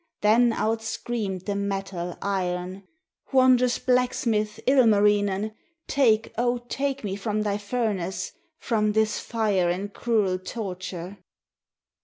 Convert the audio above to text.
Then out screamed the metal, Iron: "Wondrous blacksmith, Ilmarinen, Take, O take me from thy furnace, From this fire and cruel torture."